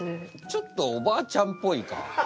ちょっとおばあちゃんっぽいか。